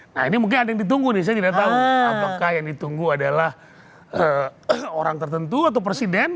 nah ini mungkin ada yang ditunggu nih saya tidak tahu apakah yang ditunggu adalah orang tertentu atau presiden